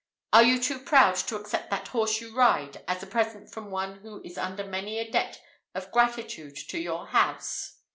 Are you too proud to accept that horse you ride, as a present from one who is under many a debt of gratitude to your house?"